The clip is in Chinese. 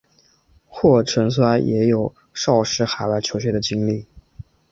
霍震寰也有少时海外求学的经历。